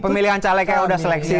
pemilihan calegnya sudah seleksi